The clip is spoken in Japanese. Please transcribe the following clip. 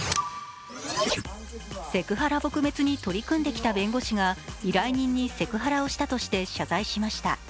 セクハラ撲滅に取り組んできた弁護士が依頼人にセクハラをしたとして謝罪しました。